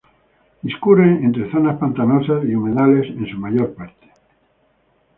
Discurre entre zonas pantanosas y humedales en su mayor parte.